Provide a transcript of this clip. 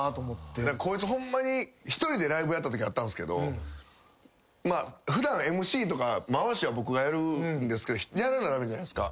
こいつホンマに１人でライブやったときあったんすけど普段ＭＣとか回しは僕がやるんですけどやらな駄目じゃないっすか。